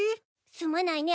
すまないね